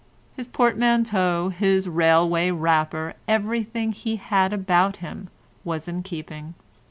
His portmanteau, his railway wrapper, everything he had about him, was in keeping.